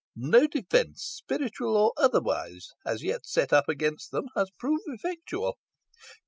No defence, spiritual or otherwise, as yet set up against them, has proved effectual."